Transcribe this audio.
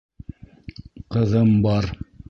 Ҡыҙым бар.